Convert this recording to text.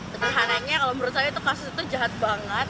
sederhananya kalau menurut saya itu kasus itu jahat banget